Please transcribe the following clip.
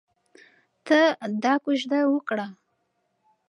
ته دا کوژده وکړه.